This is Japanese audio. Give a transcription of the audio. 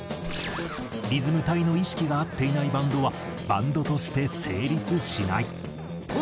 「リズム隊の意識が合っていないバンドはバンドとして成立しない」との事だが。